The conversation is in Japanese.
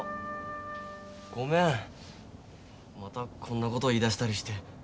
ごめんまたこんなこと言いだしたりして。